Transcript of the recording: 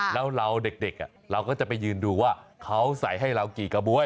แล้วเราเด็กเราก็จะไปยืนดูว่าเขาใส่ให้เรากี่กระบ๊วย